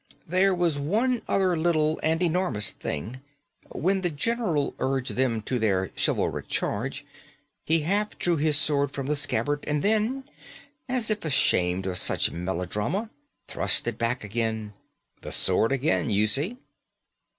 "There was one other little and enormous thing. When the general urged them to their chivalric charge he half drew his sword from the scabbard; and then, as if ashamed of such melodrama, thrust it back again. The sword again, you see."